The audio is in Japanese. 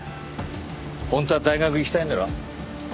本当は大学行きたいんだろ？